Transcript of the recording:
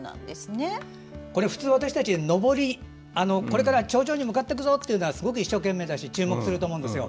普通、私たち、上りこれから頂上に向かっていくぞというのはすごく一生懸命だし注目すると思うんですよ。